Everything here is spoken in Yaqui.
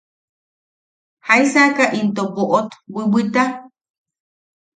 ¿Jaisaaka into boʼot bwibwita?